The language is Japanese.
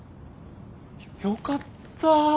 よかった。